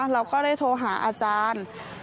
เราก็ได้โทรหาอาจารย์